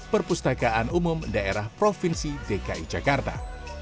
perpustakaan umum daerah provinsi dki jakarta